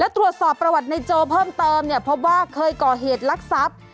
และตรวจสอบประวัติในโจเพิ่มเติมเนี้ยเพราะว่าเคยก่อเหตุลักษณ์ทรัพย์